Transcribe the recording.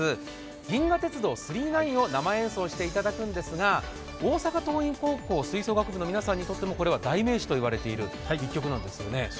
「銀河鉄道９９９」を生演奏していただくんですが、大阪桐蔭高校吹奏楽部の皆さんにとってもこれは代名詞といわれている一曲なんですよね。